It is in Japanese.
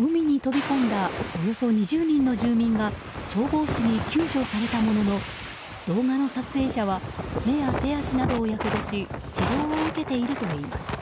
海に飛び込んだ、およそ２０人の住民が消防士に救助されたものの動画の撮影者は目や手足などをやけどし治療を受けているといいます。